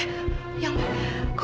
siapa yang pukulin kamu